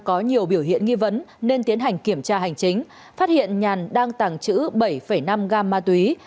có nhiều biểu hiện nghi vấn nên tiến hành kiểm tra hành chính phát hiện nhàn đang tàng trữ bảy năm gam ma túy